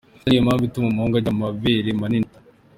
Ese ni iyihe mpamvu ituma umuhungu agira amabere manini?.